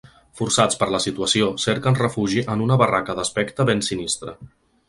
Forçats per la situació cerquen refugi en una barraca d’aspecte ben sinistre.